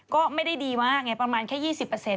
ก็ไม่ได้ดีมากไงประมาณแค่๒๐